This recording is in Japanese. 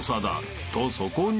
［とそこに］